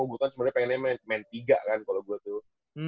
gua kan sebenernya pengennya main tiga kan kalo gua tuh